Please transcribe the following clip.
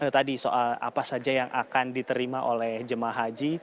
tadi soal apa saja yang akan diterima oleh jemaah haji